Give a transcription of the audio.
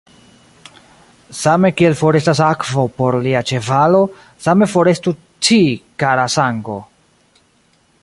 Same kiel forestas akvo por lia ĉevalo, same forestu ci, kara sango!